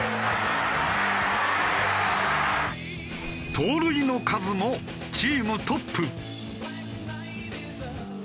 盗塁の数もチームトップ。